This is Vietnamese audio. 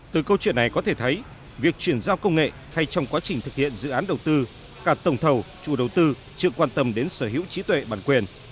từ câu chuyện này có thể thấy việc chuyển giao công nghệ hay trong quá trình thực hiện dự án đầu tư cả tổng thầu chủ đầu tư chưa quan tâm đến sở hữu trí tuệ bản quyền